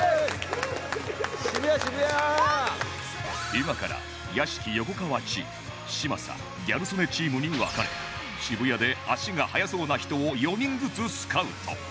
今から屋敷横川チーム嶋佐ギャル曽根チームに分かれ渋谷で足が速そうな人を４人ずつスカウト